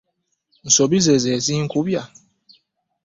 Ensobi ze nkoze ze zinkubya?